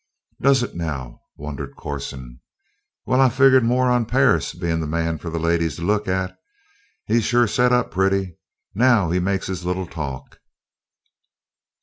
"Does it, now?" wondered Corson. "Well, I'd of figured more on Perris being the man for the ladies to look at. He's sure set up pretty! Now he makes his little talk."